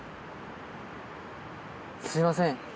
すみません。